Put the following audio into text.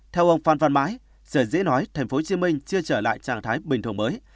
theo ông phan văn mãi sở dễ nói tp hcm chưa trở lại trạng thái bình thường mới